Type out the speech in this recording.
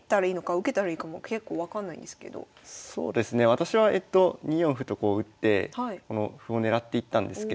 私は２四歩とこう打ってこの歩を狙っていったんですけど。